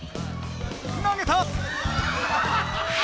投げた！